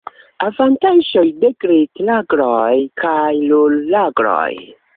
Avantaĝoj de glit-lagroj kaj rul-lagroj.